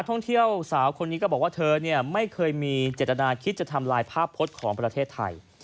ท่องเที่ยวสาวคนนี้ก็บอกว่าเธอไม่เคยมีเจตนาคิดจะทำลายภาพพจน์ของประเทศไทย